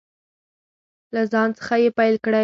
له ځان څخه یې پیل کړئ.